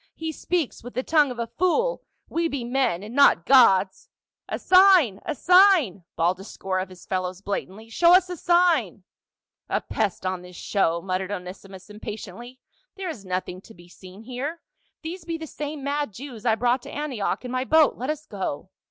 " He speaks with the tongue of a fool ; we be men and not gods !" "A sign ! a sign !" bawled a score of his fellows blatantly. "Show us a sign !" "A pest on this show!" muttered Onesimus im patiently. " There is nothing to be seen here ; these be the same mad Jews I brought to Antioch in my boat. Let us go."